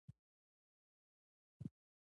یورانیم د افغان کلتور په داستانونو کې راځي.